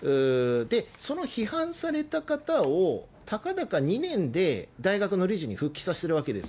その批判された方を、たかだか２年で大学の理事に復帰させてるわけです。